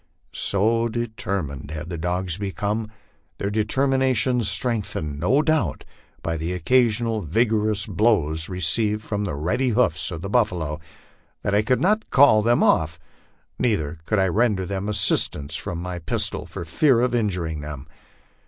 So determined had the dogs become, their determination strengthened no doubt by the cccasional vigorous blows received from the ready hoofs of the buffalo, that I could not call them off; neither could I render them assistance from my pistol, for fear of injuring them.